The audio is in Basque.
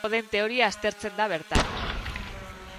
Kodeen teoria aztertzen da bertan.